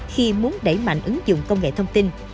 khi muốn đẩy mạnh ứng dụng công nghệ thông tin